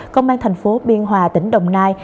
công an tp biên hòa tỉnh đồng nai